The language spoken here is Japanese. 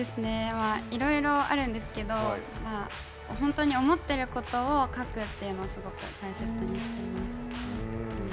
いろいろあるんですけど本当に思ってることを書くっていうのをすごく大切にしています。